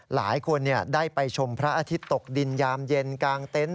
หลายคนได้ไปชมพระอาทิตย์ตกดินยามเย็นกลางเต็นต์